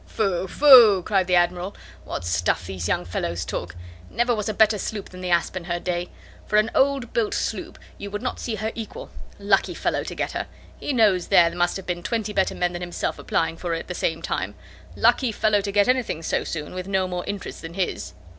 "Phoo! phoo!" cried the Admiral, "what stuff these young fellows talk! Never was a better sloop than the Asp in her day. For an old built sloop, you would not see her equal. Lucky fellow to get her! He knows there must have been twenty better men than himself applying for her at the same time. Lucky fellow to get anything so soon, with no more interest than his."